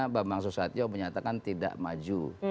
bambang susatyo menyatakan tidak maju